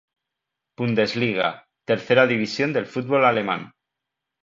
Bundesliga, tercera división del fútbol alemán.